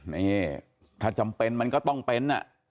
นี่ถ้าจำเป็นมันก็ต้องเป็น